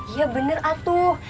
iya bener atuh